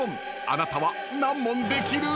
あなたは何問できる？］